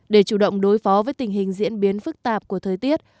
để chủ động đối phó với tình hình diễn biến phức tạp của thời tiết